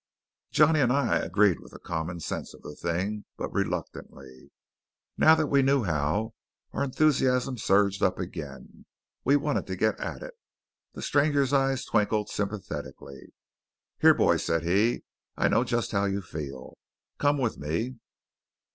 Johnny and I agreed with the common sense of the thing, but reluctantly. Now that we knew how, our enthusiasm surged up again. We wanted to get at it. The stranger's eyes twinkled sympathetically. "Here, boys," said he, "I know just how you feel. Come with me."